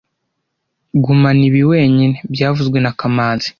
Gumana ibi wenyine byavuzwe na kamanzi